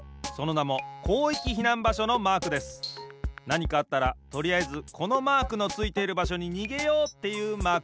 なにかあったらとりあえずこのマークのついている場所ににげようっていうマークです。